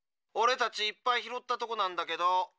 オレたちいっぱい拾ったとこなんだけど。